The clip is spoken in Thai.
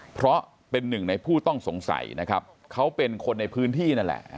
เพราะเป็นหนึ่งในผู้ต้องสงสัยนะครับเขาเป็นคนในพื้นที่นั่นแหละ